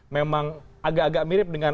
memang agak agak mirip dengan